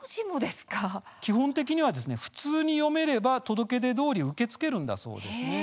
基本的には普通に読めれば届け出どおり受け付けるんだそうです。